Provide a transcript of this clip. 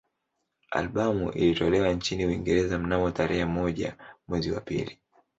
Albamu ilitolewa nchini Uingereza mnamo tarehe moja mwezi wa pili